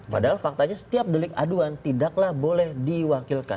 padahal faktanya setiap delik aduan tidaklah boleh diwakilkan